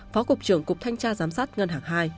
phó cục trưởng cục thanh tra giám sát ngân hàng hai